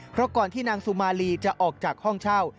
เพราะก่อนที่นางสุมาลีจะออกจากห้องเช่า